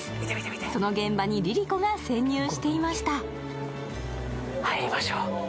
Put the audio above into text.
その現場にＬｉＬｉＣｏが潜入していました。